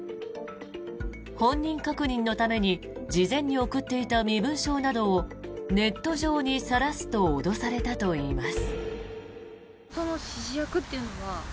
本人確認のために事前に送っていた身分証などをネット上にさらすと脅されたといいます。